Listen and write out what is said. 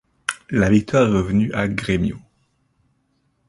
La victoire est revenue à Grêmio.